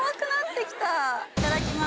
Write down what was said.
いただきます。